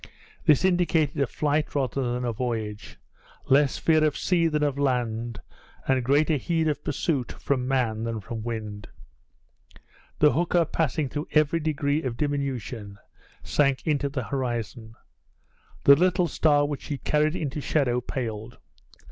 This indicated a flight rather than a voyage, less fear of sea than of land, and greater heed of pursuit from man than from wind. The hooker, passing through every degree of diminution, sank into the horizon. The little star which she carried into shadow paled.